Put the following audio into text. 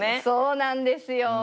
そうなんですよ。